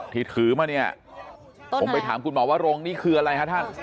ที่ถือมาเนี่ยผมไปถามคุณหมอวรงนี่คืออะไรฮะท่าน